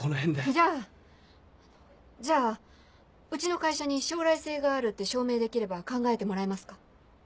じゃあじゃあうちの会社に将来性があるって証明できれば考えてもらえますか。